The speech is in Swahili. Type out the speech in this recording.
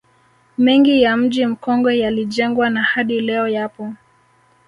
Mengi ya mji Mkongwe yalijengwa na hadi leo yapo